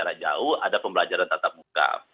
di mana jauh jauh ada pembelajaran tatap muka